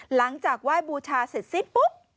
หลังจากไหว้บูชาเสร็จสิ้นปุ๊บ